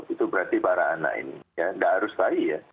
itu berarti para anak ini ya nggak harus bayi ya